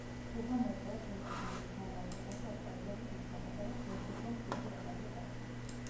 კლუბმა მოიპოვა ჩემპიონთა ლიგის მომავალ სეზონში ასპარეზობის უფლება, სადაც ვერ შეძლო ჯგუფურ ეტაპზე გასვლა.